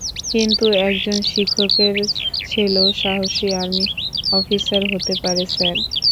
কিন্তু একজন শিক্ষকের ছেলেও সাহসী আর্মি অফিসার হতে পারে, স্যার।